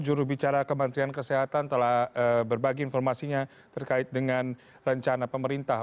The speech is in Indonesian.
jurubicara kementerian kesehatan telah berbagi informasinya terkait dengan rencana pemerintah